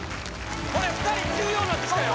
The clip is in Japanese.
これ２人重要になってきたよ